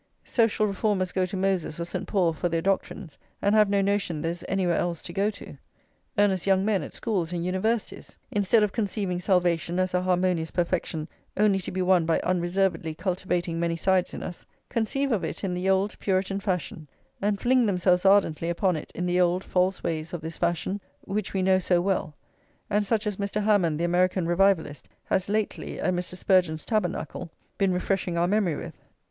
Social reformers go to Moses or St. Paul for their doctrines, and have no notion there is anywhere else to go to; earnest young men at schools and universities, instead of conceiving salvation as a harmonious perfection only to be won by unreservedly cultivating many sides in us, conceive of it in the old Puritan fashion, and fling themselves ardently upon it in the old, false ways of this fashion, which we know so well, and such as Mr. Hammond, the American revivalist, has lately, at Mr. Spurgeon's Tabernacle, been refreshing our memory with.